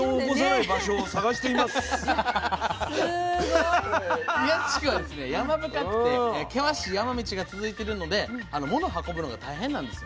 いやすごい！祖谷地区は山深くて険しい山道が続いてるので物運ぶのが大変なんですよね。